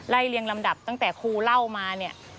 ไล่เรียงลำดับตั้งแต่ครูเล่ามา